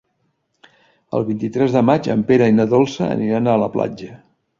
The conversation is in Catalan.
El vint-i-tres de maig en Pere i na Dolça aniran a la platja.